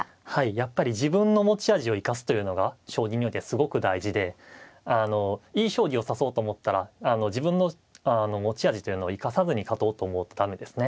やっぱり自分の持ち味を生かすというのが将棋においてすごく大事でいい将棋を指そうと思ったら自分の持ち味というのを生かさずに勝とうと思うと駄目ですね。